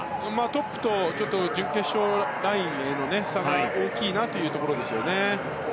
トップと準決勝ラインの差が大きいなというところですね。